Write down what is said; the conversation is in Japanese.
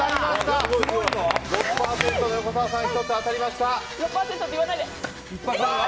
６％の横澤さん１つ当たりました。